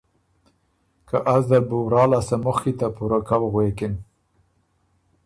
که از دل بُو ورا لاسته مُخکی ته پُوره کؤ غوېکِن